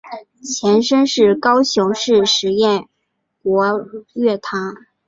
前身是高雄市实验国乐团。